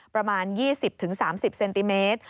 ประมาณ๒๐๓๐เซนติเมตร